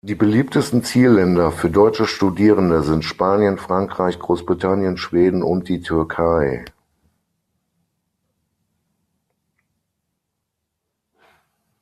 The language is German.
Die beliebtesten Zielländer für deutsche Studierende sind Spanien, Frankreich, Großbritannien, Schweden und die Türkei.